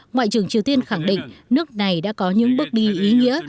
ngoại trưởng triều tiên khẳng định nước này đã có những bước đi ý nghĩa